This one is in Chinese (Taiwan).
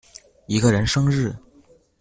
一個人生日